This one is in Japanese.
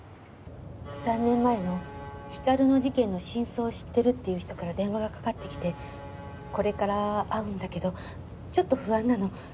３年前の光の事件の真相を知ってるっていう人から電話がかかってきてこれから会うんだけどちょっと不安なの。